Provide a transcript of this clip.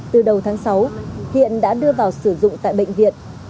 từ đầu tháng sáu hiện đã đưa vào sử dụng tại bệnh viện